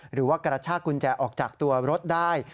หรือว่ากระชากกุญแจออกจากตัวรถได้